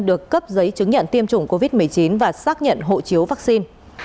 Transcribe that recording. được cấp giấy chứng nhận tiêm chủng covid một mươi chín và xác nhận hộ chiếu vaccine